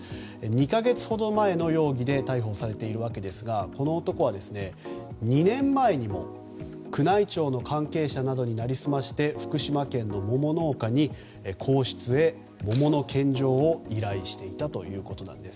２か月ほど前の容疑で逮捕されているわけですがこの男は２年前にも宮内庁の関係者などに成り済まして福島県の桃農家に、皇室へ桃の献上を依頼していたということです。